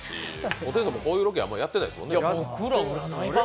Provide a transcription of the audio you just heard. ホテイソンもこんなロケあんまりやってないですもんね。